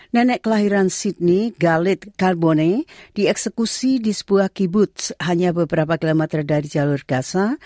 nenek kelahiran sidney galit karbone dieksekusi di sebuah kibuts hanya beberapa kilometer dari jalur gaza